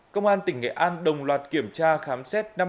công an tỉnh nghệ an đồng loạt kiểm tra khám xét